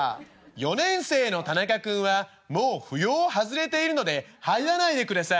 「４年生の田中君はもう扶養を外れているので入らないでください」。